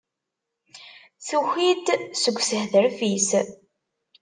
Tuki-d seg ushetref-is.